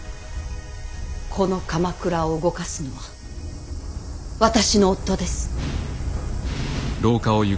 この鎌倉を動かすのは私の夫です。